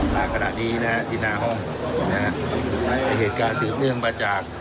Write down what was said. มากระดาษนี้นะฮะที่น้ำนะฮะเหตุการณ์สืบเนื่องมาจาก